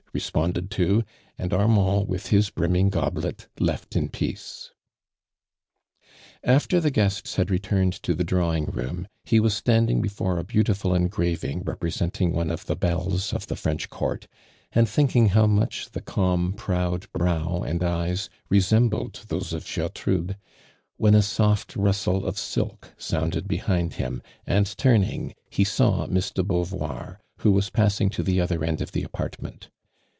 responded to, and Arnumd with his brim ming goblet left in peace. After the guest had rettuned to tin drawing room, ho was stiinding before a beautiful engraving representing one ot the belles of the French court, and think ing how much the calm, proud brow and eyes resembled those tiffiertrudc, when a soft rustle of silk sounded behind him, and turning, he saw Miss de Beau voir, who was passing to the other end of the apartment.